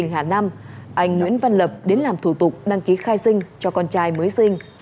hà nam anh nguyễn văn lập đến làm thủ tục đăng ký khai sinh cho con trai mới sinh